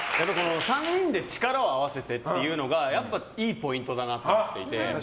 ３人で力を合わせてっていうのがやっぱりいいポイントだなと思っていて。